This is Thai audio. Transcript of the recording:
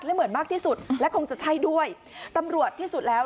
และเหมือนมากที่สุดและคงจะใช่ด้วยตำรวจที่สุดแล้ว